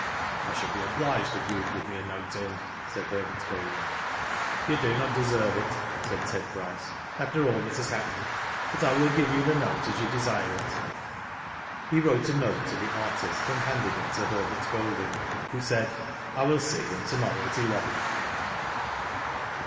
" I should be obliged if you would give me a note to him," said Herbert Golding, "You dq not deserve it," said Ted Bryce, " after all that has happened ; but I will give you the note, as you desire it." He wrote a note to the artist, and handed it to Herbert Golding, who said :" I will see him to morrow at eleven."